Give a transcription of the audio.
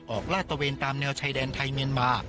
ออกลาตเตอร์เวนตามเนื้อชายแดนไทยเมียนมา